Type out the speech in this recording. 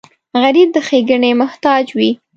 غریب د ښېګڼې محتاج وي